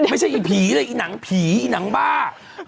ไม่ใช่อีผีเลยอีหนังผีอีหนังบ้า